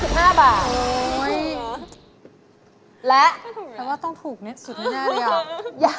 โอ้ยแล้วแปลว่าต้องถูกนิดสุดมั้ยยาย้อม